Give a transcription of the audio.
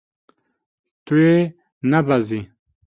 Tu yê nebezî.